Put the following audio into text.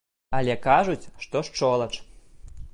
Але кажуць, што шчолач.